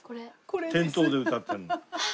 店頭で歌ってるの。